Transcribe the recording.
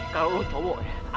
kalau lo cowok ya